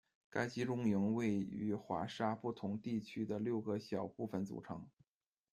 该集中营由位于华沙不同地区的六个小部分组成。